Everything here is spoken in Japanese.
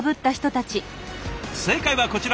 正解はこちら。